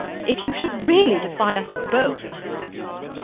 "If you should really defy us both